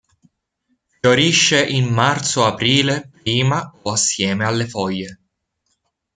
Fiorisce in marzo-aprile prima o assieme alle foglie.